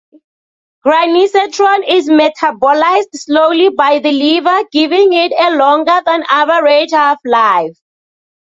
Granisetron is metabolized slowly by the liver, giving it a longer than average half-life.